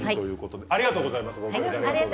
お二人ありがとうございます。